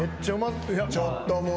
ちょっともう！